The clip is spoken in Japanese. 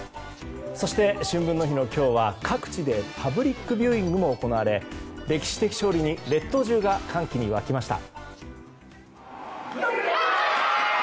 そして、春分の日の今日は各地でパブリックビューイングも行われ歴史的勝利に列島中が歓喜に沸きました。